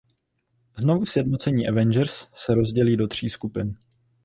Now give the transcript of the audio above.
Znovusjednocení Avengers se rozdělí do tří skupin.